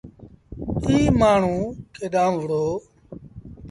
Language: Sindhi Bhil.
ايٚ مآڻهوٚݩ ڪيڏآن وُهڙو۔